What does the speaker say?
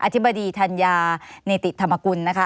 ธิบดีธัญญาเนติธรรมกุลนะคะ